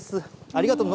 ありがとう。